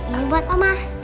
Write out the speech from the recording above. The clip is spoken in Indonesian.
ini buat mama